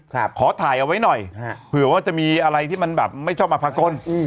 ขอถ่ายเอาไว้หน่อยฮะเผื่อว่าจะมีอะไรที่มันแบบไม่ชอบมาภากลอืม